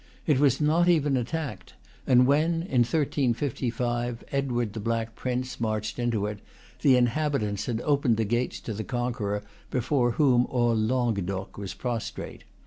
It was not even attacked; and when, in 1355, Edward the Black Prince marched into it, the inhabitants had opened the gates to the conqueror before whom all Languedoc was prostrate.